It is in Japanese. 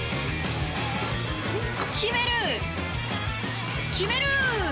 決める、決める！